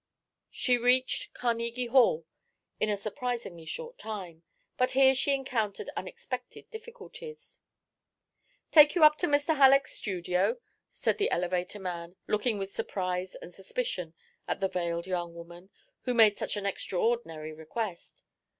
She reached Carnegie Hall in a surprisingly short time, but here she encountered unexpected difficulties. "Take you up to Mr. Halleck's studio?" said the elevator man, looking with surprise and suspicion at this veiled young woman, who made such an extraordinary request.